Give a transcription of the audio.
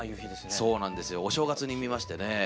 そうなんですよ。お正月に見ましてね。